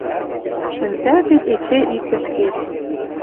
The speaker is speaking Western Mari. Шӹнзӓлтет эче иктӹ ӹшкет.